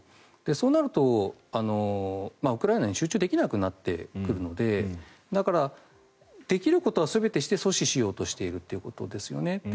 そうなるとウクライナに集中できなくなってくるのでだから、できることは全てして阻止しようとしているということですよね。